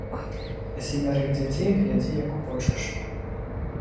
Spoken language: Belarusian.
А семярых дзяцей глядзі, як хочаш.